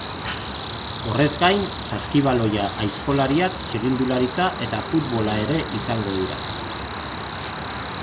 Horrez gain, saskibaloia, aizkolariak, txirrindularitza eta futbola ere izango dira.